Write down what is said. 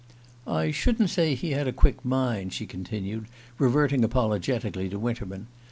"I shouldn't say he had a quick mind," she continued, reverting apologetically to Winterman.